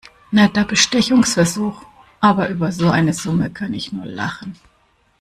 Netter Bestechungsversuch, aber über so eine Summe kann ich nur lachen.